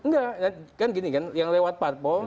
enggak kan gini kan yang lewat parpol